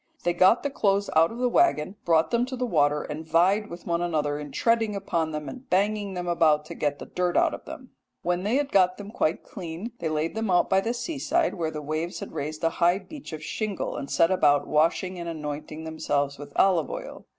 They got the clothes out of the waggon, brought them to the water, and vied with one another in treading upon them and banging them about to get the dirt out of them. When they had got them quite clean, they laid them out by the seaside where the waves had raised a high beach of shingle, and set about washing and anointing themselves with olive oil.